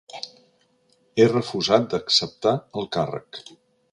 He refusat d'acceptar el càrrec.